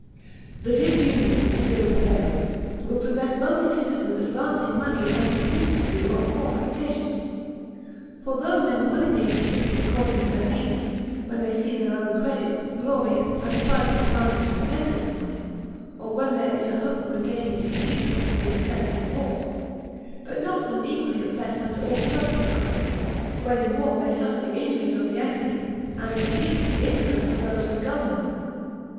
The disunion which still prevails will prevent wealthy citizens advancing money as they used to do on former occasions; for though men willingly contribute according to their means, when they see their own credit, glory, and private advantage dependent upon it, or when there is a hope of regaining in peace what has been spent in war, but not when equally oppressed under all circumstances, when in war they suffer the injuries of the enemy, and in peace, the insolence of those who govern them.